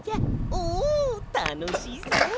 おおたのしそう！